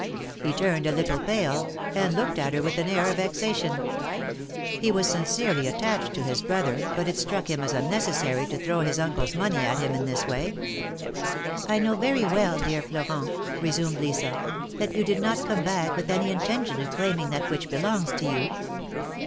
He turned a little pale, and looked at her with an air of vexa tion. He was sincerely attached to his brother, but it struck him as unnecessary to throw his uncle's money at him in this way. I know very well, dear Florent," resumed Lisa, ^Hhat you did not come back with any intention of claiming that which belongs to you.